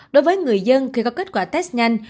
đối với người dân khi có kết quả test nhanh